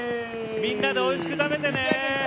みんなでおいしく食べてね。